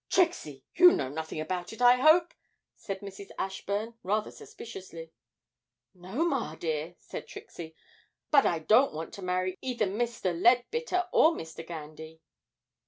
'Trixie, you know nothing about it, I hope?' said Mrs. Ashburn, rather suspiciously. 'No, ma dear,' said Trixie; 'but I don't want to marry either Mr. Leadbitter or Mr. Gandy.'